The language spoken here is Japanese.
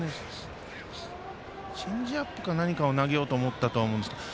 チェンジアップか何かを投げようと思ったんだと思うんですけど。